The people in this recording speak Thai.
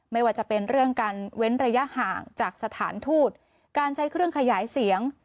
ไม่ว่าจะเป็นเรื่องการเว้นระยะห่างจากสถานทูตการใช้เครื่องขยายเสียง